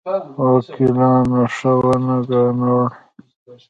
وکیلانو ښه ونه ګڼل.